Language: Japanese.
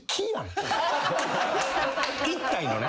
１体のね。